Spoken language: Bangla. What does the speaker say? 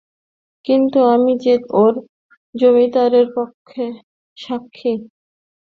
কিন্তু আমি যে ওর জমিদারের পক্ষে সাক্ষী।